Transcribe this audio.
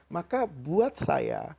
maka buat saya